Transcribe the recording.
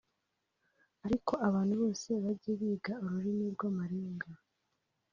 ariko abantu bose bajye biga ururimi rw’amarenga